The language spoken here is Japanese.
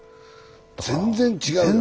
全然違うよね。